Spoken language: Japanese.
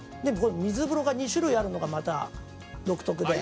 「水風呂が２種類あるのがまた独特で」